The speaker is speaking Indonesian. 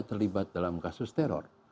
terlibat dalam kasus teror